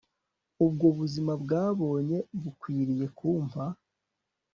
ubwo buzima bwabonye bukwiriye kumpa